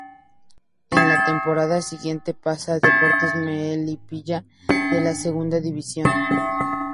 En la temporada siguiente pasa a Deportes Melipilla de la Segunda División.